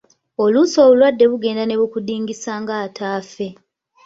Oluusi obulwadde bugenda ne bukudingisa nga ataafe.